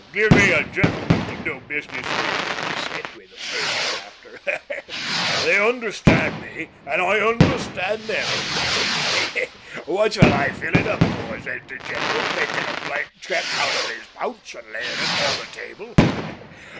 "Give me a real gentleman to do business with," he said, with a burst of laughter. "They understand me and I understand them. 'What shall I fill it up for?' says the general, taking a blank cheque out o' his pouch and laying it on the table.